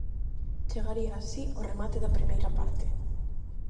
Chegaría así o remate da primeira parte.